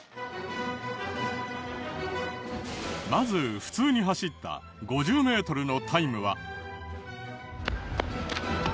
まず普通に走った５０メートルのタイムは。